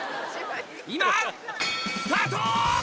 今スタート！